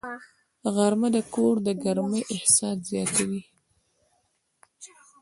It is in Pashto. غرمه د کور د ګرمۍ احساس زیاتوي